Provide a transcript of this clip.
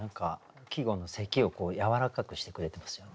季語の「咳」をやわらかくしてくれてますよね。